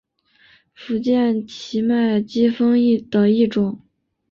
福建畸脉姬蜂的一种。